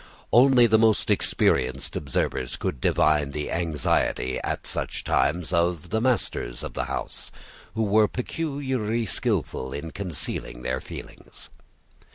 Only the most experienced observers could divine the anxiety, at such times, of the masters of the house, who were peculiarly skilful in concealing their feelings.